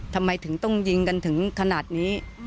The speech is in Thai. ทำไมถึงต้องยิงกันถึงขนาดนี้